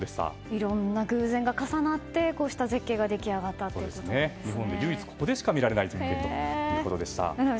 いろんな偶然が重なってこうした絶景が日本で唯一、ここでしか見られない絶景ということでした。